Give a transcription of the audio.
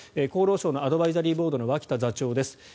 厚労省のアドバイザリーボードの脇田座長です。